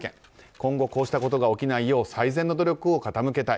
今後、こうしたことが起きないよう最善の努力を傾けたい。